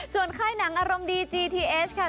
ส่วนค่ายหนังอารมณ์ดีจีทีเอสค่ะ